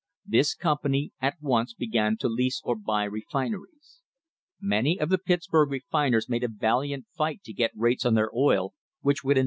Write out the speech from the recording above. This company at once began to lease or buy refineries. Many of the Pittsburg refiners made a valiant fight to get rates on their oil which would enable them to run * J.